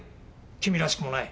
君らしくもない。